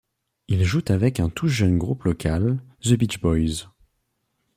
Ils jouent avec un tout jeune groupe local, The Beach Boys.